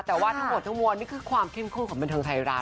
แต่ว่าทั้งหมดทั้งมวลนี่คือความเข้มข้นของบันเทิงไทยรัฐ